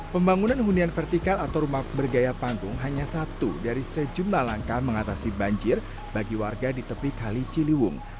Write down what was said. pembangunan hunian vertikal atau rumah bergaya panggung hanya satu dari sejumlah langkah mengatasi banjir bagi warga di tepi kali ciliwung